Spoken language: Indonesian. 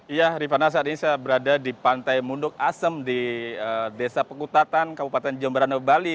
ya saya berada di pantai munduk asem di desa pengkutatan kabupaten jemberana bali